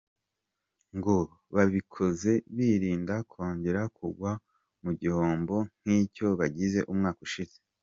Ngo babikoze birinda kongera kugwa mu gihombo nk’icyo bagize umwaka ushize.